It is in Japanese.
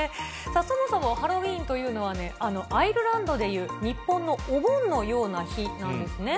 そもそもハロウィーンというのはね、アイルランドでいう日本のお盆のような日なんですね。